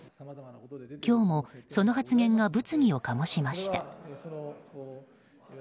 今日も、その発言が物議を醸しました。